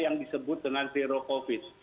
yang disebut dengan zero covid